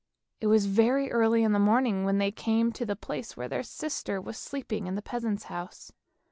It was very early in the morning when they came to the place where their sister Elise was sleeping in the peasant's house.